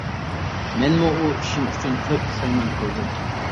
مەنمۇ ئۇ ئىشىم ئۈچۈن كۆپ پۇشايمان قىلدىم.